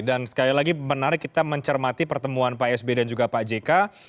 dan sekali lagi menarik kita mencermati pertemuan pak s b dan juga pak j k